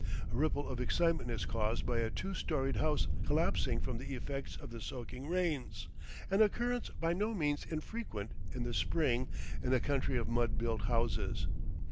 A ripple of excitement is caused by a two storied house collapsing from the effects of the soaking rains, an occurrence by no means infrequent in the spring in a country of mud built houses.